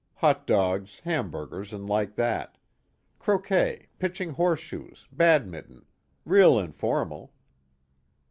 Hot dogs, hamburgers and like that. Croquet, pitching horse shoes, badminton. Real informal."